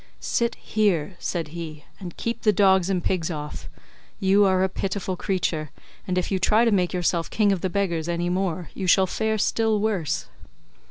"Sit here," said he, "and keep the dogs and pigs off; you are a pitiful creature, and if you try to make yourself king of the beggars any more you shall fare still worse."